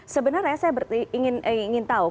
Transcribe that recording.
sebenarnya saya ingin tahu